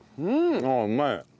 ああうまい。